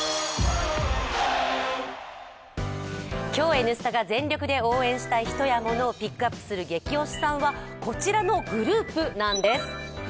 今日「Ｎスタ」が全力で応援したい人やモノをピックアップする「ゲキ推しさん」は、こちらのグループなんです。